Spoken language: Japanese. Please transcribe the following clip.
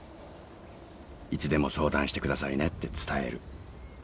いつでも相談してくださいねって伝える。